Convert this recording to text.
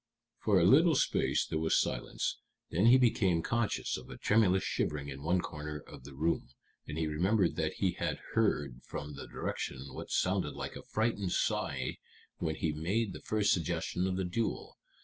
For a little space there was silence. Then he became conscious of a tremulous shivering in one corner of the room, and he remembered that he had heard from that direction what sounded like a frightened sigh when he made the first suggestion of the duel.